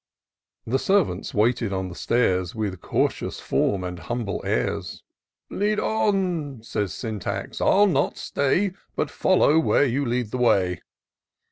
The servants waited on the stairs. With cautious form and humble airs. " Lead on," says Syntax, " I'll not stay, But follow where you lead the way."